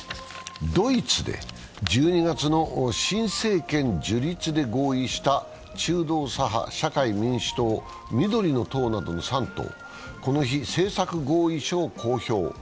ドイツで１２月の新政権樹立で合意した中道左派、社会民主党、緑の党などの３党、この日、政策合意書を公表。